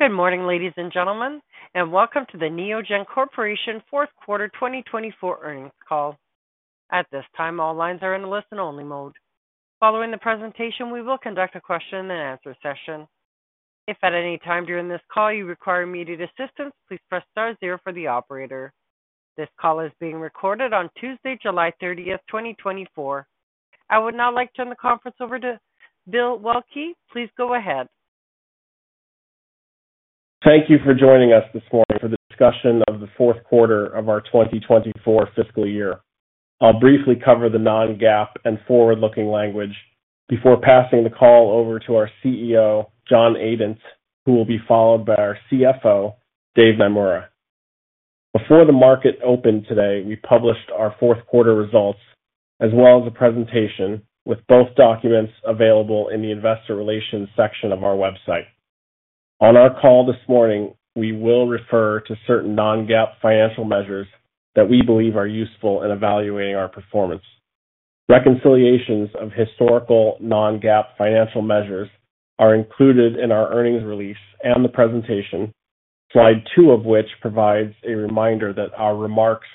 Good morning, ladies and gentlemen, and welcome to the Neogen Corporation fourth quarter 2024 earnings call. At this time, all lines are in listen-only mode. Following the presentation, we will conduct a question-and-answer session. If at any time during this call you require immediate assistance, please press star zero for the operator. This call is being recorded on Tuesday, July 30th, 2024. I would now like to turn the conference over to Bill Waelke. Please go ahead. Thank you for joining us this morning for the discussion of the fourth quarter of our 2024 fiscal year. I'll briefly cover the non-GAAP and forward-looking language before passing the call over to our CEO, John Adent, who will be followed by our CFO, Dave Naemura. Before the market opened today, we published our fourth quarter results, as well as a presentation, with both documents available in the investor relations section of our website. On our call this morning, we will refer to certain non-GAAP financial measures that we believe are useful in evaluating our performance. Reconciliations of historical non-GAAP financial measures are included in our earnings release and the presentation, slide two of which provides a reminder that our remarks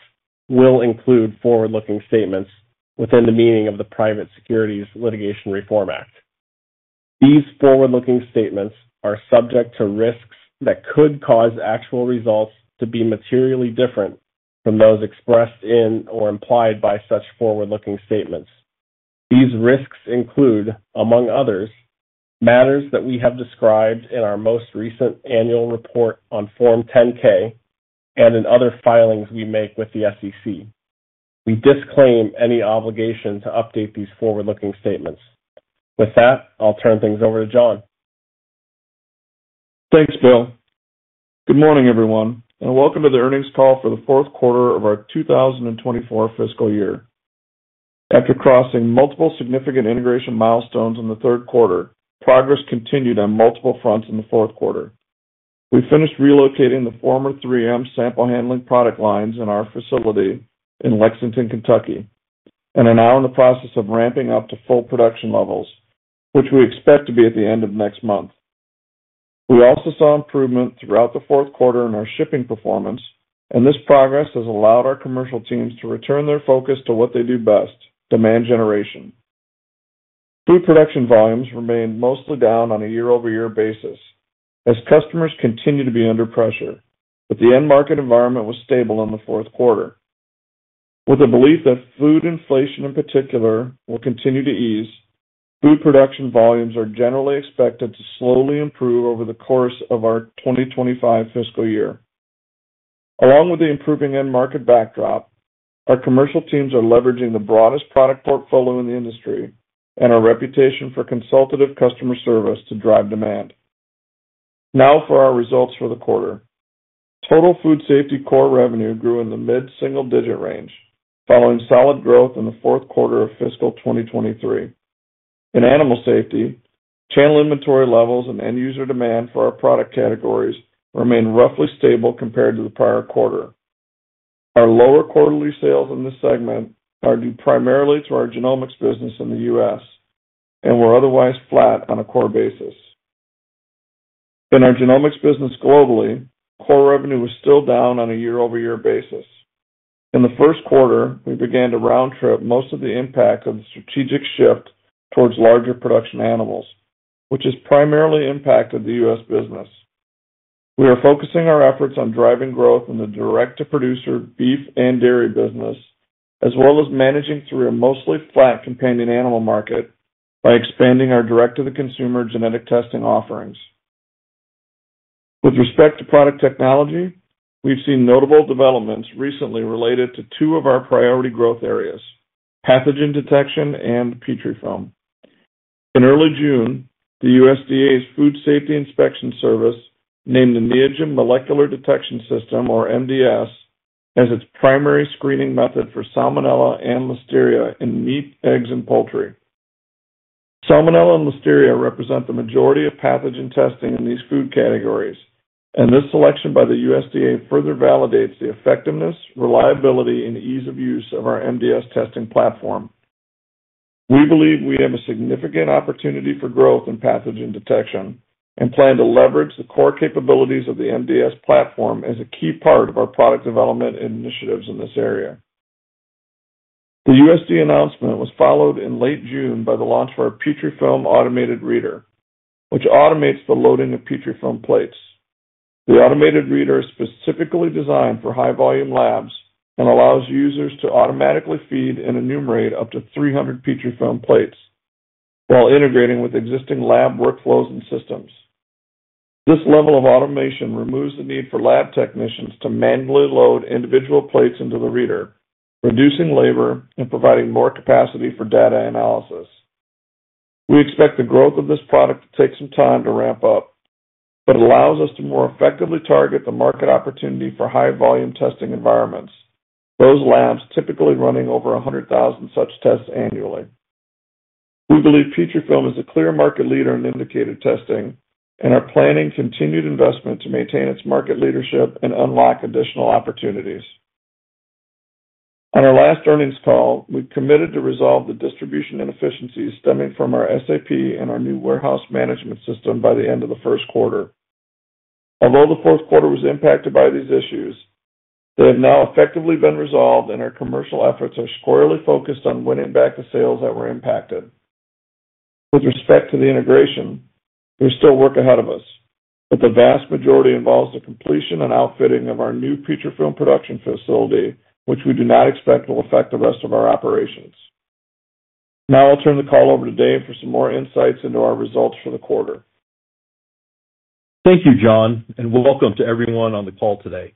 will include forward-looking statements within the meaning of the Private Securities Litigation Reform Act. These forward-looking statements are subject to risks that could cause actual results to be materially different from those expressed in or implied by such forward-looking statements. These risks include, among others, matters that we have described in our most recent annual report on Form 10-K and in other filings we make with the SEC. We disclaim any obligation to update these forward-looking statements. With that, I'll turn things over to John. Thanks, Bill. Good morning, everyone, and welcome to the earnings call for the fourth quarter of our 2024 fiscal year. After crossing multiple significant integration milestones in the third quarter, progress continued on multiple fronts in the fourth quarter. We finished relocating the former 3M sample handling product lines in our facility in Lexington, Kentucky, and are now in the process of ramping up to full production levels, which we expect to be at the end of next month. We also saw improvement throughout the fourth quarter in our shipping performance, and this progress has allowed our commercial teams to return their focus to what they do best, demand generation. Food production volumes remained mostly down on a year-over-year basis as customers continue to be under pressure, but the end market environment was stable in the fourth quarter. With the belief that food inflation, in particular, will continue to ease, food production volumes are generally expected to slowly improve over the course of our 2025 fiscal year. Along with the improving end market backdrop, our commercial teams are leveraging the broadest product portfolio in the industry and our reputation for consultative customer service to drive demand. Now, for our results for the quarter. Total food safety core revenue grew in the mid-single-digit range, following solid growth in the fourth quarter of fiscal 2023. In animal safety, channel inventory levels and end-user demand for our product categories remained roughly stable compared to the prior quarter. Our lower quarterly sales in this segment are due primarily to our genomics business in the U.S. and were otherwise flat on a core basis. In our genomics business globally, core revenue was still down on a year-over-year basis. In the first quarter, we began to round trip most of the impact of the strategic shift towards larger production animals, which has primarily impacted the U.S. business. We are focusing our efforts on driving growth in the direct-to-producer beef and dairy business, as well as managing through a mostly flat companion animal market by expanding our direct-to-the-consumer genetic testing offerings. With respect to product technology, we've seen notable developments recently related to two of our priority growth areas, pathogen detection and Petrifilm. In early June, the USDA's Food Safety Inspection Service named the Neogen Molecular Detection System, or MDS, as its primary screening method for Salmonella and Listeria in meat, eggs, and poultry. Salmonella and Listeria represent the majority of pathogen testing in these food categories, and this selection by the USDA further validates the effectiveness, reliability, and ease of use of our MDS testing platform. We believe we have a significant opportunity for growth in pathogen detection and plan to leverage the core capabilities of the MDS platform as a key part of our product development initiatives in this area. The USDA announcement was followed in late June by the launch of our Petrifilm Automated Feeder, which automates the loading of Petrifilm plates. The automated feeder is specifically designed for high-volume labs and allows users to automatically feed and enumerate up to 300 Petrifilm plates while integrating with existing lab workflows and systems. This level of automation removes the need for lab technicians to manually load individual plates into the reader, reducing labor and providing more capacity for data analysis. We expect the growth of this product to take some time to ramp up, but it allows us to more effectively target the market opportunity for high-volume testing environments, those labs typically running over 100,000 such tests annually. We believe Petrifilm is a clear market leader in indicator testing and are planning continued investment to maintain its market leadership and unlock additional opportunities. On our last earnings call, we committed to resolve the distribution inefficiencies stemming from our SAP and our new warehouse management system by the end of the first quarter. Although the fourth quarter was impacted by these issues, they have now effectively been resolved, and our commercial efforts are squarely focused on winning back the sales that were impacted. With respect to the integration, there's still work ahead of us, but the vast majority involves the completion and outfitting of our new Petrifilm production facility, which we do not expect will affect the rest of our operations. Now I'll turn the call over to Dave for some more insights into our results for the quarter. Thank you, John, and welcome to everyone on the call today.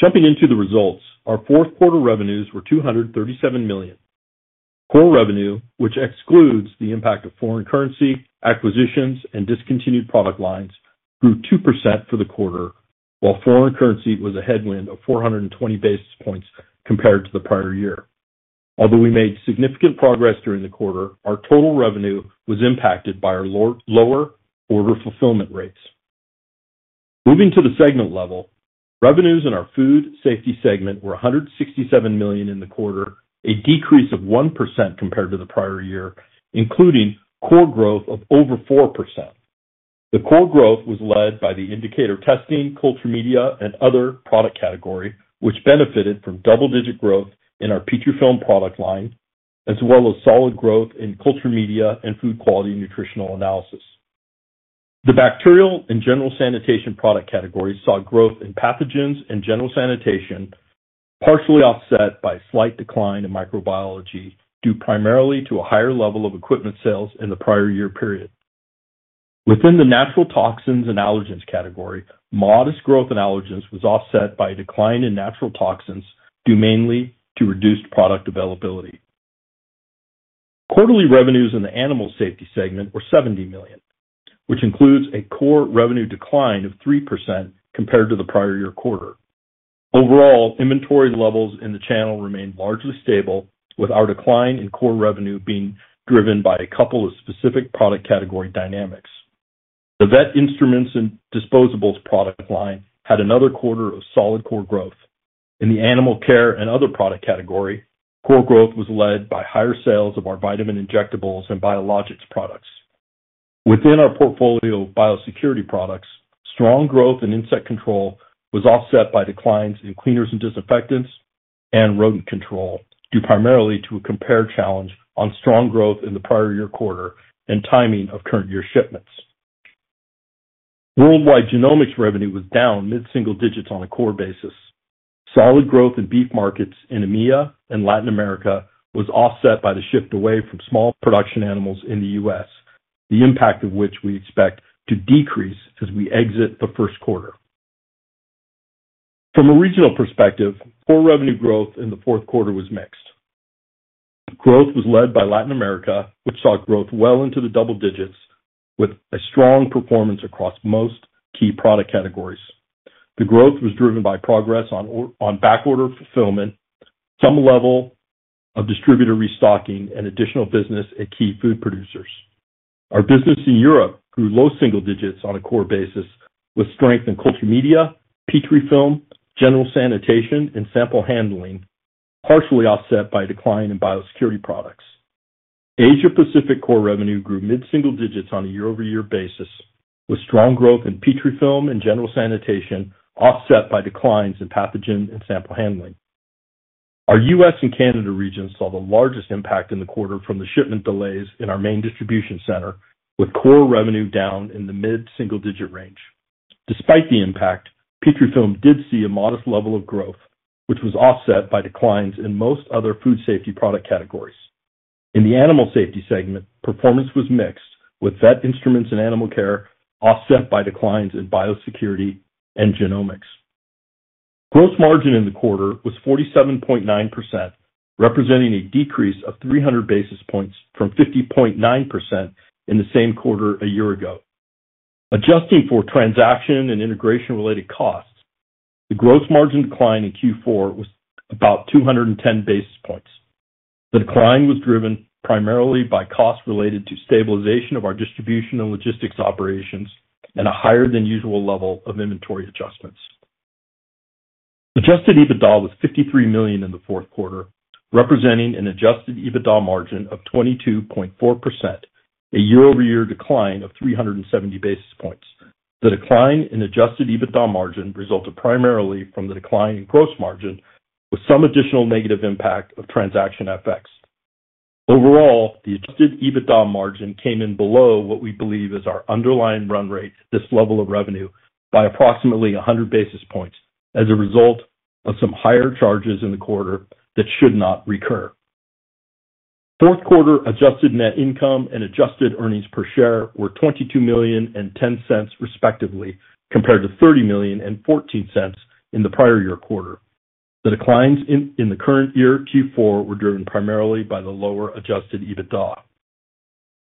Jumping into the results, our fourth quarter revenues were $237 million. Core revenue, which excludes the impact of foreign currency, acquisitions, and discontinued product lines, grew 2% for the quarter, while foreign currency was a headwind of 420 basis points compared to the prior year. Although we made significant progress during the quarter, our total revenue was impacted by our lower order fulfillment rates. Moving to the segment level, revenues in our Food Safety segment were $167 million in the quarter, a decrease of 1% compared to the prior year, including core growth of over 4%. The core growth was led by the indicator testing, culture media, and other product category, which benefited from double-digit growth in our Petrifilm product line, as well as solid growth in culture media, and food quality nutritional analysis. The bacterial and general sanitation product categories saw growth in pathogens and general sanitation, partially offset by a slight decline in microbiology, due primarily to a higher level of equipment sales in the prior year period. Within the natural toxins and allergens category, modest growth in allergens was offset by a decline in natural toxins, due mainly to reduced product availability. Quarterly revenues in the Animal Safety segment were $70 million, which includes a core revenue decline of 3% compared to the prior year quarter. Overall, inventory levels in the channel remained largely stable, with our decline in core revenue being driven by a couple of specific product category dynamics. The vet instruments and disposables product line had another quarter of solid core growth. In the animal care and other product category, core growth was led by higher sales of our vitamin injectables and biologics products. Within our portfolio of biosecurity products, strong growth in insect control was offset by declines in cleaners and disinfectants and rodent control, due primarily to a compare challenge on strong growth in the prior year quarter and timing of current year shipments. Worldwide genomics revenue was down mid-single digits on a core basis. Solid growth in beef markets in EMEA and Latin America was offset by the shift away from small production animals in the U.S., the impact of which we expect to decrease as we exit the first quarter. From a regional perspective, core revenue growth in the fourth quarter was mixed. Growth was led by Latin America, which saw growth well into the double digits with a strong performance across most key product categories. The growth was driven by progress on backorder fulfillment, some level of distributor restocking, and additional business at key food producers. Our business in Europe grew low single digits on a core basis, with strength in culture media, Petrifilm, general sanitation, and sample handling, partially offset by a decline in biosecurity products. Asia Pacific core revenue grew mid-single digits on a year-over-year basis, with strong growth in Petrifilm and general sanitation offset by declines in pathogen and sample handling. Our U.S. and Canada region saw the largest impact in the quarter from the shipment delays in our main distribution center, with core revenue down in the mid-single-digit range. Despite the impact, Petrifilm did see a modest level of growth, which was offset by declines in most other food safety product categories. In the Animal Safety segment, performance was mixed, with vet instruments and animal care offset by declines in biosecurity and genomics. Gross margin in the quarter was 47.9%, representing a decrease of 300 basis points from 50.9% in the same quarter a year ago. Adjusting for transaction and integration-related costs, the gross margin decline in Q4 was about 210 basis points. The decline was driven primarily by costs related to stabilization of our distribution and logistics operations and a higher than usual level of inventory adjustments. Adjusted EBITDA was $53 million in the fourth quarter, representing an adjusted EBITDA margin of 22.4%, a year-over-year decline of 370 basis points. The decline in adjusted EBITDA margin resulted primarily from the decline in gross margin, with some additional negative impact of transaction effects. Overall, the adjusted EBITDA margin came in below what we believe is our underlying run rate, this level of revenue, by approximately 100 basis points as a result of some higher charges in the quarter that should not recur. Fourth quarter adjusted net income and adjusted earnings per share were $22 million and $0.10, respectively, compared to $30 million and $0.14 in the prior year quarter. The declines in the current year, Q4, were driven primarily by the lower adjusted EBITDA.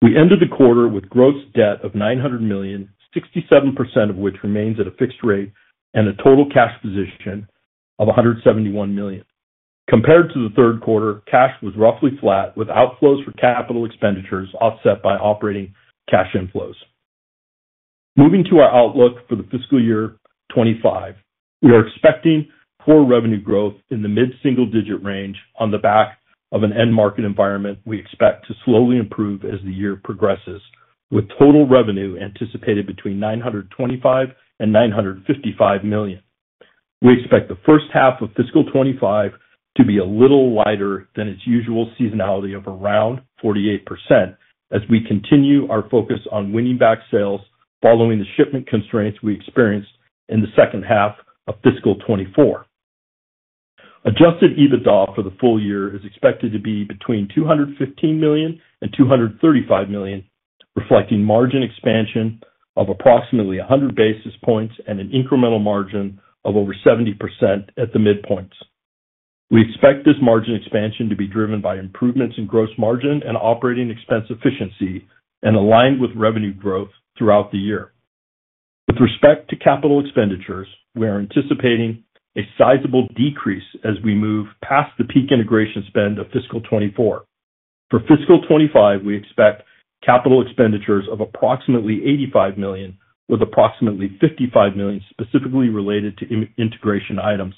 We ended the quarter with gross debt of $900 million, 67% of which remains at a fixed rate and a total cash position of $171 million. Compared to the third quarter, cash was roughly flat, with outflows for capital expenditures offset by operating cash inflows. Moving to our outlook for the fiscal year 2025. We are expecting core revenue growth in the mid-single-digit range on the back of an end market environment we expect to slowly improve as the year progresses, with total revenue anticipated between $925 million and $955 million. We expect the first half of fiscal 2025 to be a little lighter than its usual seasonality of around 48%, as we continue our focus on winning back sales following the shipment constraints we experienced in the second half of fiscal 2024. Adjusted EBITDA for the full year is expected to be between $215 million and $235 million, reflecting margin expansion of approximately 100 basis points and an incremental margin of over 70% at the midpoints. We expect this margin expansion to be driven by improvements in gross margin and operating expense efficiency and aligned with revenue growth throughout the year. With respect to capital expenditures, we are anticipating a sizable decrease as we move past the peak integration spend of fiscal 2024. For fiscal 2025, we expect capital expenditures of approximately $85 million, with approximately $55 million specifically related to integration items.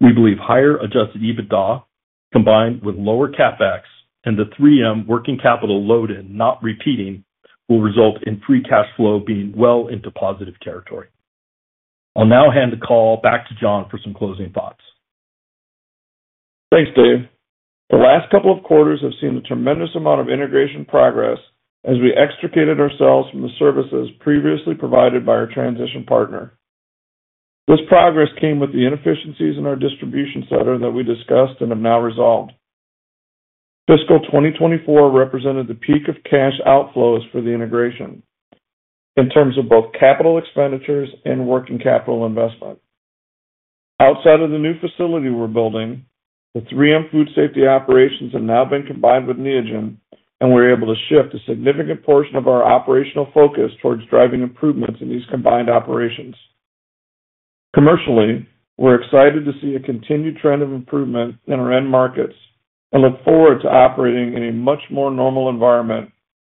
We believe higher adjusted EBITDA, combined with lower CapEx and the 3M working capital load-in, not repeating, will result in free cash flow being well into positive territory. I'll now hand the call back to John for some closing thoughts. Thanks, Dave. The last couple of quarters have seen a tremendous amount of integration progress as we extricated ourselves from the services previously provided by our transition partner. This progress came with the inefficiencies in our distribution center that we discussed and have now resolved. Fiscal 2024 represented the peak of cash outflows for the integration in terms of both capital expenditures and working capital investment. Outside of the new facility we're building, the 3M Food Safety operations have now been combined with Neogen, and we're able to shift a significant portion of our operational focus towards driving improvements in these combined operations. Commercially, we're excited to see a continued trend of improvement in our end markets and look forward to operating in a much more normal environment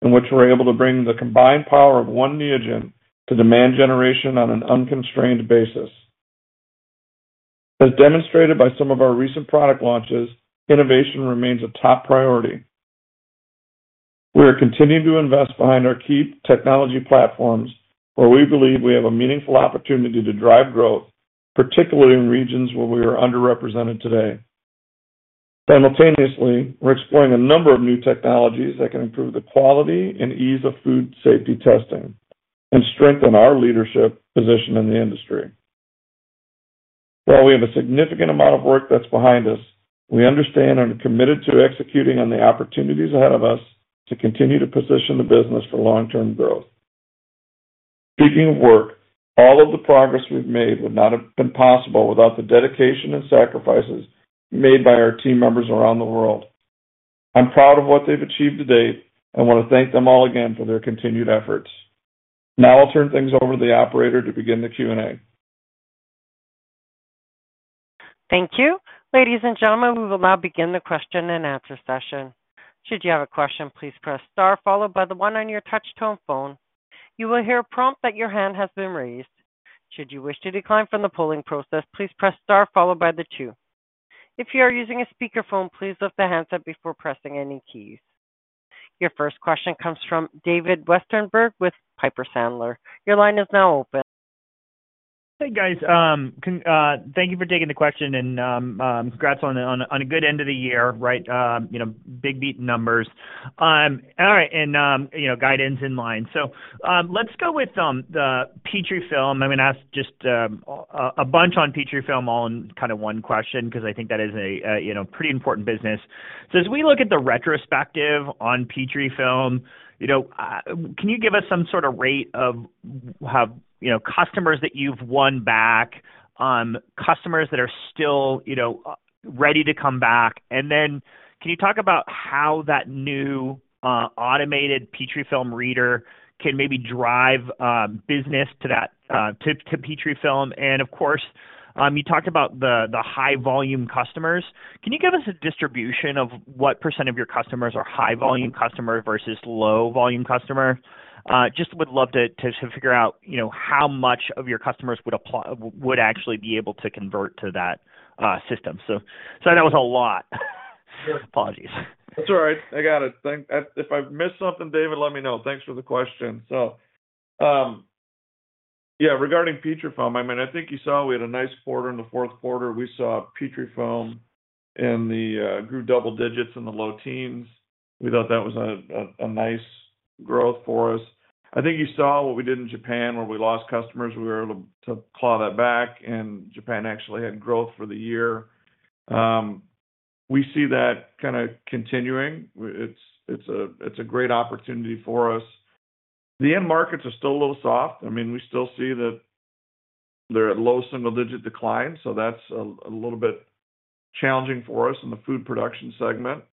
in which we're able to bring the combined power of one Neogen to demand generation on an unconstrained basis. As demonstrated by some of our recent product launches, innovation remains a top priority. We are continuing to invest behind our key technology platforms, where we believe we have a meaningful opportunity to drive growth, particularly in regions where we are underrepresented today. Simultaneously, we're exploring a number of new technologies that can improve the quality and ease of food safety testing and strengthen our leadership position in the industry. While we have a significant amount of work that's behind us, we understand and are committed to executing on the opportunities ahead of us to continue to position the business for long-term growth. Speaking of work, all of the progress we've made would not have been possible without the dedication and sacrifices made by our team members around the world. I'm proud of what they've achieved to date and want to thank them all again for their continued efforts. Now I'll turn things over to the operator to begin the Q&A. Thank you. Ladies and gentlemen, we will now begin the question-and-answer session. Should you have a question, please press star followed by the one on your touch tone phone. You will hear a prompt that your hand has been raised. Should you wish to decline from the polling process, please press star followed by the two. If you are using a speakerphone, please lift the handset before pressing any keys. Your first question comes from David Westenberg with Piper Sandler. Your line is now open. Hey, guys, thank you for taking the question and, congrats on a good end of the year, right? You know, big beat numbers. All right, and, you know, guidance in line. So, let's go with the Petrifilm. I'm gonna ask just a bunch on Petrifilm all in kind of one question, because I think that is a you know, pretty important business. So as we look at the retrospective on Petrifilm, you know, can you give us some sort of rate of how, you know, customers that you've won back, customers that are still, you know, ready to come back? And then can you talk about how that new automated Petrifilm feeder can maybe drive business to that, to Petrifilm? Of course, you talked about the high volume customers. Can you give us a distribution of what percent of your customers are high volume customer versus low volume customer? Just would love to figure out, you know, how much of your customers would apply, would actually be able to convert to that system. So that was a lot. Apologies. That's all right. I got it. Thank-- if I've missed something, David, let me know. Thanks for the question. So, yeah, regarding Petrifilm, I mean, I think you saw we had a nice quarter in the fourth quarter. We saw Petrifilm grew double digits in the low teens. We thought that was a nice growth for us. I think you saw what we did in Japan, where we lost customers. We were able to claw that back, and Japan actually had growth for the year. We see that kind of continuing. It's a great opportunity for us. The end markets are still a little soft. I mean, we still see that they're at low single-digit decline, so that's a little bit challenging for us in the food production segment.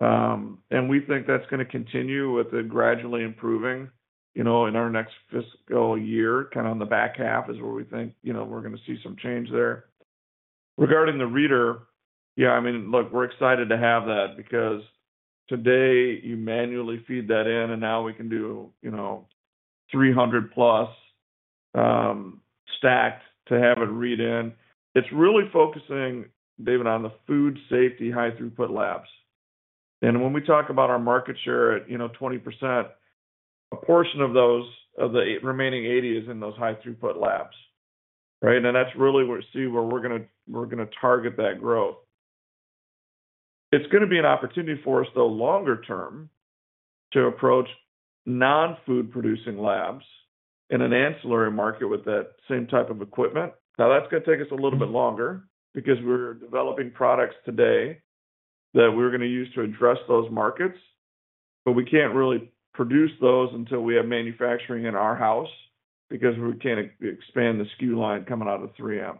And we think that's gonna continue with it gradually improving, you know, in our next fiscal year. Kind of on the back half is where we think, you know, we're gonna see some change there. Regarding the feeder, yeah, I mean, look, we're excited to have that because today you manually feed that in, and now we can do, you know, 300+ stacks to have it read in. It's really focusing, David, on the food safety, high-throughput labs. And when we talk about our market share at, you know, 20%, a portion of those, of the remaining 80 is in those high-throughput labs, right? And that's really where we're gonna target that growth. It's gonna be an opportunity for us, though, longer term, to approach non-food producing labs in an ancillary market with that same type of equipment. Now, that's gonna take us a little bit longer because we're developing products today that we're gonna use to address those markets, but we can't really produce those until we have manufacturing in our house, because we can't expand the SKU line coming out of 3M.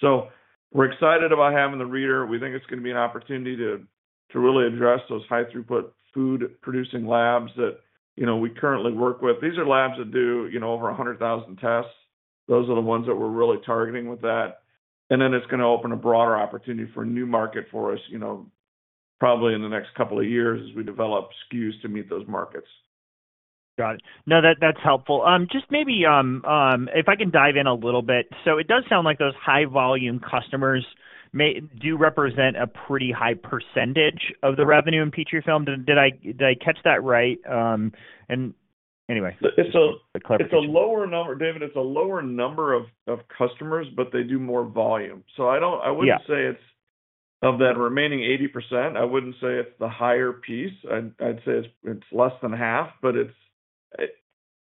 So we're excited about having the feeder. We think it's gonna be an opportunity to really address those high-throughput food-producing labs that, you know, we currently work with. These are labs that do, you know, over 100,000 tests. Those are the ones that we're really targeting with that. And then it's gonna open a broader opportunity for a new market for us, you know, probably in the next couple of years as we develop SKUs to meet those markets. Got it. No, that's helpful. Just maybe, if I can dive in a little bit. So it does sound like those high-volume customers may do represent a pretty high percentage of the revenue in Petrifilm. Did I catch that right? And anyway, It's a- clearer picture. It's a lower number, David, it's a lower number of customers, but they do more volume. So I don't- Yeah. I wouldn't say it's... Of that remaining 80%, I wouldn't say it's the higher piece. I'd say it's less than half, but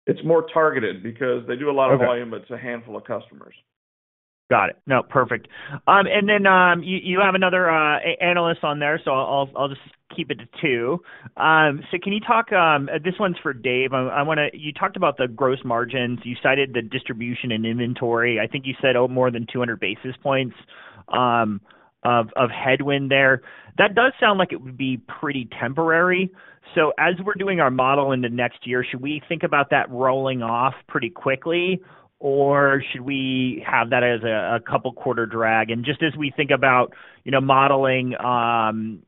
it's more targeted because they do a lot of volume- Okay. It's a handful of customers. Got it. No, perfect. And then, you have another analyst on there, so I'll just keep it to two. So can you talk... This one's for Dave. I wanna— you talked about the gross margins. You cited the distribution and inventory. I think you said more than 200 basis points of headwind there. That does sound like it would be pretty temporary. So as we're doing our model in the next year, should we think about that rolling off pretty quickly, or should we have that as a couple quarter drag? And just as we think about, you know, modeling,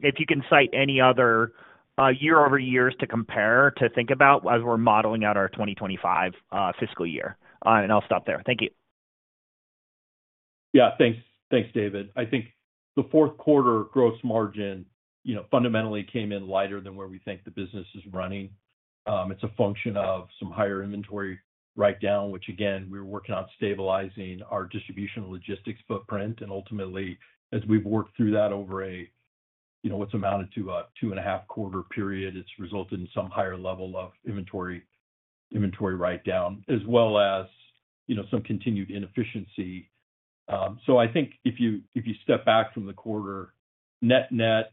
if you can cite any other year-over-year to compare, to think about as we're modeling out our 2025 fiscal year. And I'll stop there. Thank you. Yeah, thanks. Thanks, David. I think the fourth quarter gross margin, you know, fundamentally came in lighter than where we think the business is running. It's a function of some higher inventory write-down, which, again, we're working on stabilizing our distribution logistics footprint, and ultimately, as we've worked through that over a, you know, what's amounted to a 2.5-quarter period, it's resulted in some higher level of inventory, inventory write-down, as well as, you know, some continued inefficiency. So I think if you, if you step back from the quarter, net net,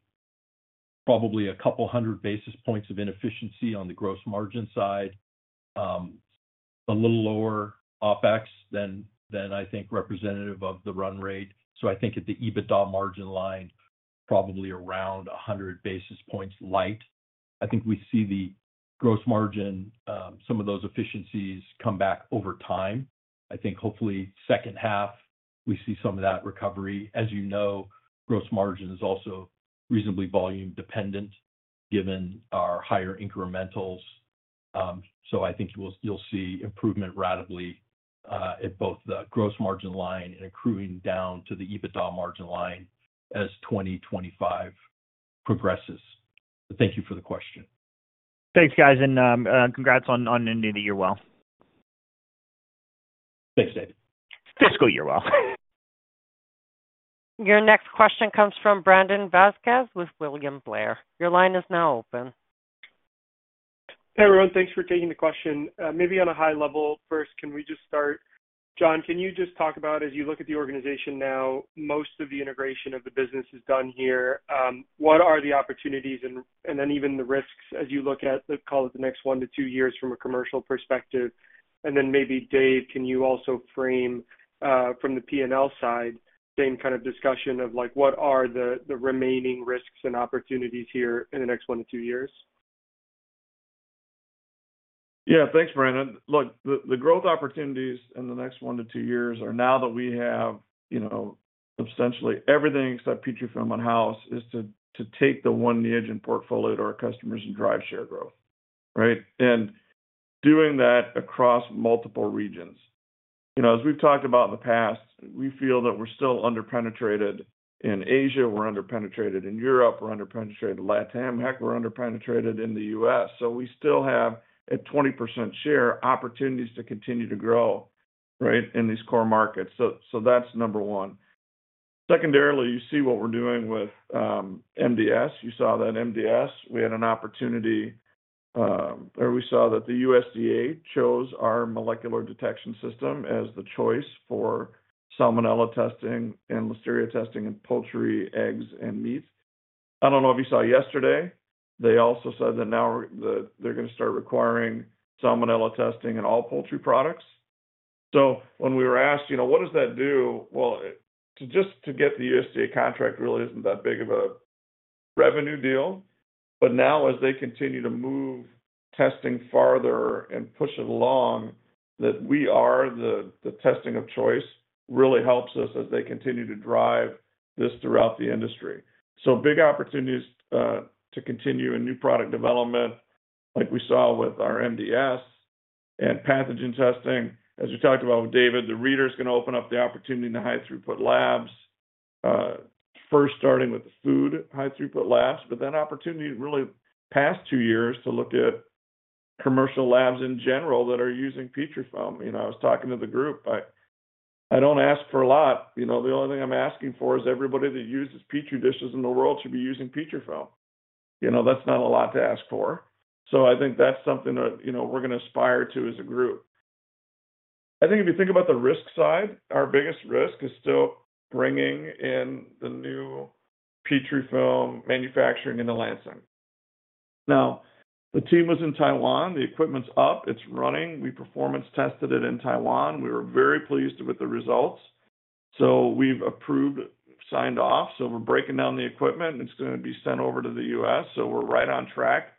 probably 200 basis points of inefficiency on the gross margin side, a little lower OpEx than, than I think, representative of the run rate. So I think at the EBITDA margin line, probably around 100 basis points light. I think we see the gross margin, some of those efficiencies come back over time. I think hopefully second half, we see some of that recovery. As you know, gross margin is also reasonably volume dependent, given our higher incrementals. So I think you'll see improvement ratably, at both the gross margin line and accruing down to the EBITDA margin line as 2025 progresses. Thank you for the question. Thanks, guys, and congrats on ending the year well. Thanks, David. Fiscal year well. Your next question comes from Brandon Vazquez with William Blair. Your line is now open. Hey, everyone. Thanks for taking the question. Maybe on a high level, first, can we just start... John, can you just talk about, as you look at the organization now, most of the integration of the business is done here. What are the opportunities and, and then even the risks as you look at the, call it, the next 1-2 years from a commercial perspective? And then maybe, Dave, can you also frame, from the P&L side, same kind of discussion of like, what are the, the remaining risks and opportunities here in the next 1-2 years? Yeah. Thanks, Brandon. Look, the growth opportunities in the next one to two years are now that we have, you know, essentially everything except Petrifilm in-house, is to take the one in-house portfolio to our customers and drive share growth, right? And doing that across multiple regions. You know, as we've talked about in the past, we feel that we're still under-penetrated in Asia, we're under-penetrated in Europe, we're under-penetrated LATAM. Heck, we're under-penetrated in the US, so we still have a 20% share opportunities to continue to grow, right, in these core markets. So, so that's number one. Secondarily, you see what we're doing with MDS. You saw that MDS, we had an opportunity, or we saw that the USDA chose our Molecular Detection System as the choice for Salmonella testing and Listeria testing in poultry, eggs, and meat. I don't know if you saw yesterday, they also said that now that they're gonna start requiring Salmonella testing in all poultry products. So when we were asked, you know, what does that do? Well, just to get the USDA contract really isn't that big of a revenue deal. But now as they continue to move testing farther and push it along, that we are the testing of choice, really helps us as they continue to drive this throughout the industry. So big opportunities to continue in new product development, like we saw with our MDS and pathogen testing. As we talked about with David, the feeder is going to open up the opportunity in the high-throughput labs, first starting with the food high-throughput labs. But then opportunity really, past two years, to look at commercial labs in general that are using Petrifilm. You know, I was talking to the group, I don't ask for a lot, you know, the only thing I'm asking for is everybody that uses Petri dishes in the world should be using Petrifilm. You know, that's not a lot to ask for. So I think that's something that, you know, we're gonna aspire to as a group. I think if you think about the risk side, our biggest risk is still bringing in the new Petrifilm manufacturing in Lansing. Now, the team was in Taiwan, the equipment's up, it's running. We performance tested it in Taiwan. We were very pleased with the results, so we've approved, signed off. So we're breaking down the equipment, and it's going to be sent over to the U.S. So we're right on track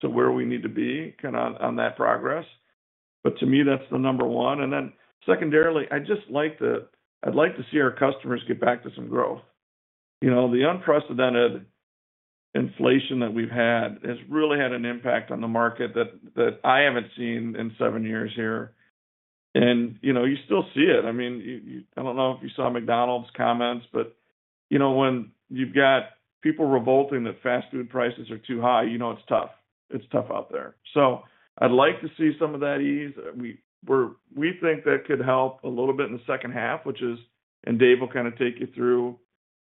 to where we need to be, kind of on that progress. But to me, that's the number one. And then secondarily, I'd just like to see our customers get back to some growth. You know, the unprecedented inflation that we've had has really had an impact on the market that I haven't seen in seven years here. And, you know, you still see it. I mean, you-- I don't know if you saw McDonald's comments, but, you know, when you've got people revolting, that fast food prices are too high, you know, it's tough. It's tough out there. So I'd like to see some of that ease. We're-- we think that could help a little bit in the second half, which is, and Dave will kind of take you through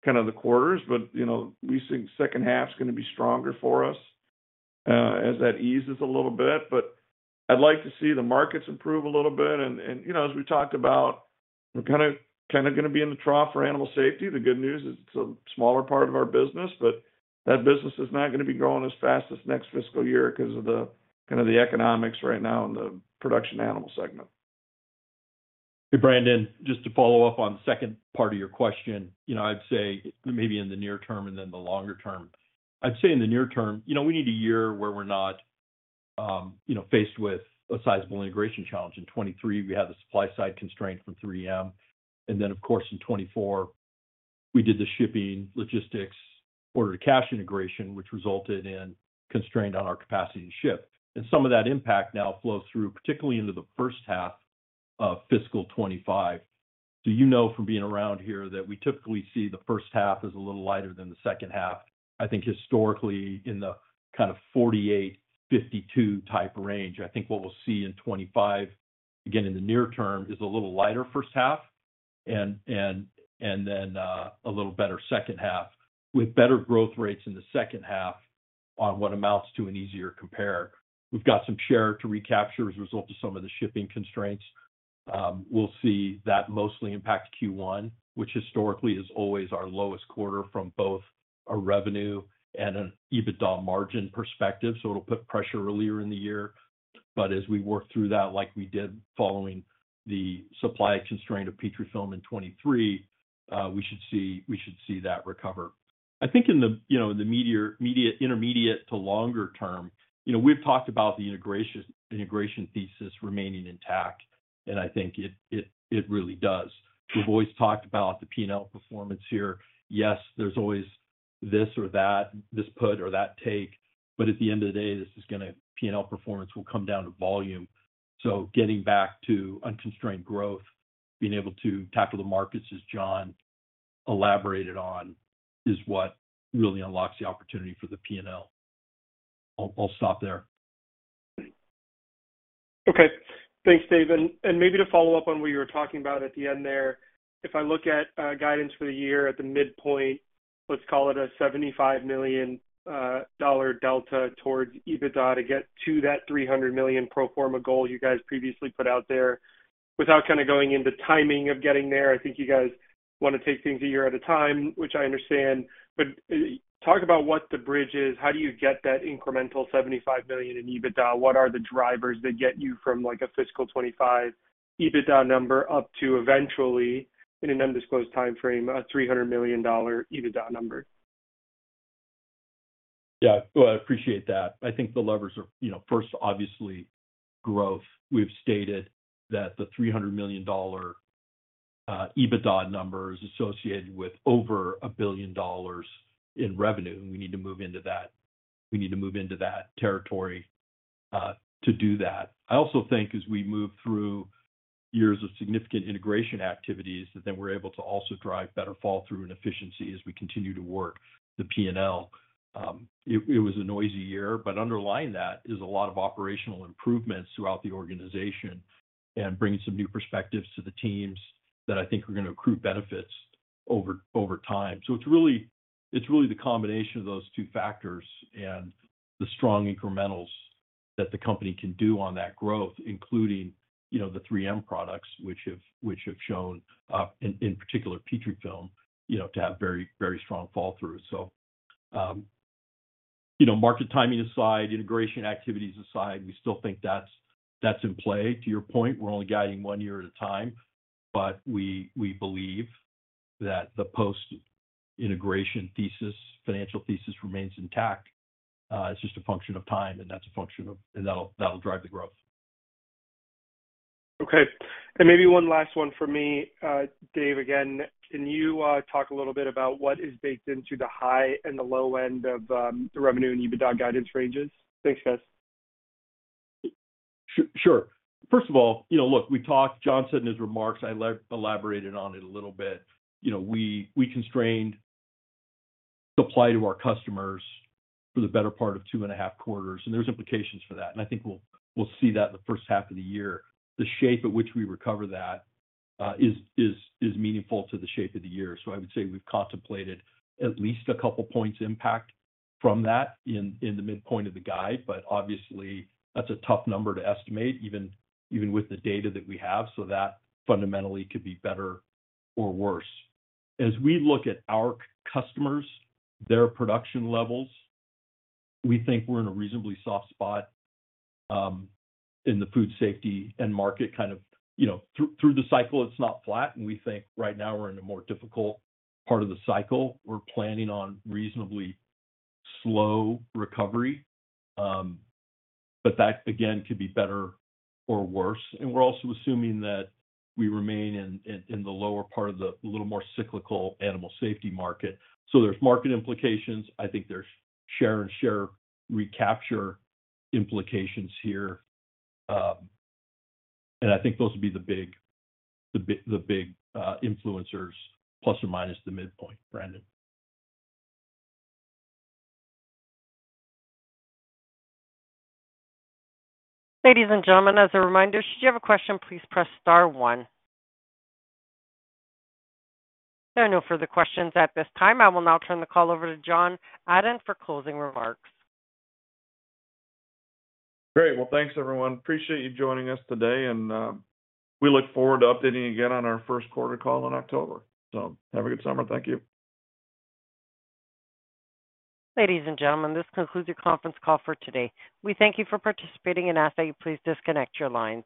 kind of the quarters, but, you know, we think second half is gonna be stronger for us, as that eases a little bit. But I'd like to see the markets improve a little bit. And you know, as we talked about, we're kinda gonna be in the trough for animal safety. The good news is, it's a smaller part of our business, but that business is not gonna be growing as fast this next fiscal year because of the kind of economics right now in the production animal segment. Hey, Brandon, just to follow up on the second part of your question. You know, I'd say maybe in the near term and then the longer term. I'd say in the near term, you know, we need a year where we're not, you know, faced with a sizable integration challenge. In 2023, we had the supply side constraint from 3M, and then, of course, in 2024, we did the shipping, logistics, order-to-cash integration, which resulted in constraint on our capacity to ship. And some of that impact now flows through, particularly into the first half of fiscal 2025. So you know, from being around here, that we typically see the first half as a little lighter than the second half. I think historically, in the kind of 48, 52 type range, I think what we'll see in 2025, again, in the near term, is a little lighter first half and then a little better second half, with better growth rates in the second half on what amounts to an easier compare. We've got some share to recapture as a result of some of the shipping constraints. We'll see that mostly impact Q1, which historically is always our lowest quarter from both a revenue and an EBITDA margin perspective, so it'll put pressure earlier in the year. But as we work through that, like we did following the supply constraint of Petrifilm in 2023, we should see, we should see that recover. I think in the, you know, in the medium to longer term, you know, we've talked about the integration thesis remaining intact, and I think it really does. We've always talked about the P&L performance here. Yes, there's always this or that, this puts or that takes, but at the end of the day, this is gonna, P&L performance will come down to volume. So getting back to unconstrained growth, being able to tackle the markets, as John elaborated on, is what really unlocks the opportunity for the P&L. I'll stop there. Okay. Thanks, Dave. And maybe to follow up on what you were talking about at the end there. If I look at guidance for the year at the midpoint, let's call it a $75 million dollar delta towards EBITDA to get to that $300 million pro forma goal you guys previously put out there. Without kind of going into timing of getting there, I think you guys want to take things a year at a time, which I understand, but talk about what the bridge is. How do you get that incremental $75 million in EBITDA? What are the drivers that get you from, like, a fiscal 2025 EBITDA number up to eventually, in an undisclosed timeframe, a $300 million dollar EBITDA number? Yeah, well, I appreciate that. I think the levers are, you know, first, obviously, growth. We've stated that the $300 million EBITDA number is associated with over $1 billion in revenue, and we need to move into that. We need to move into that territory to do that. I also think as we move through years of significant integration activities, that then we're able to also drive better fallthrough and efficiency as we continue to work the P&L. It was a noisy year, but underlying that is a lot of operational improvements throughout the organization and bringing some new perspectives to the teams that I think are gonna accrue benefits over time. So it's really, it's really the combination of those two factors and the strong incrementals that the company can do on that growth, including, you know, the 3M products, which have, which have shown up, in, in particular, Petrifilm, you know, to have very, very strong fallthrough. So, you know, market timing aside, integration activities aside, we still think that's, that's in play. To your point, we're only guiding one year at a time, but we, we believe that the post-integration thesis, financial thesis remains intact. It's just a function of time, and that's a function of-- and that'll, that'll drive the growth. Okay. And maybe one last one for me. Dave, again, can you talk a little bit about what is baked into the high and the low end of the revenue and EBITDA guidance ranges? Thanks, guys. Sure. First of all, you know, look, we talked, John said in his remarks, I elaborated on it a little bit. You know, we constrained supply to our customers for the better part of two and a half quarters, and there's implications for that. And I think we'll see that in the first half of the year. The shape at which we recover that is meaningful to the shape of the year. So I would say we've contemplated at least a couple points impact from that in the midpoint of the guide. But obviously that's a tough number to estimate, even with the data that we have, so that fundamentally could be better or worse. As we look at our customers, their production levels, we think we're in a reasonably soft spot in the food safety and market kind of... You know, through the cycle, it's not flat, and we think right now we're in a more difficult part of the cycle. We're planning on reasonably slow recovery, but that, again, could be better or worse. And we're also assuming that we remain in the lower part of the little more cyclical animal safety market. So there's market implications. I think there's share and share recapture implications here. And I think those would be the big influencers, plus or minus the midpoint, Brandon. Ladies and gentlemen, as a reminder, should you have a question, please press star one. There are no further questions at this time. I will now turn the call over to John Adent for closing remarks. Great. Well, thanks, everyone. Appreciate you joining us today, and we look forward to updating you again on our first quarter call in October. Have a good summer. Thank you. Ladies and gentlemen, this concludes your conference call for today. We thank you for participating and ask that you please disconnect your lines.